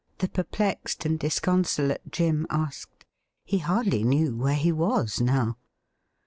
the perplexed and disconsolate Jim asked. He hardly knew where he was now.